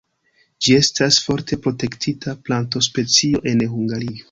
Ĝi estas forte protektita plantospecio en Hungario.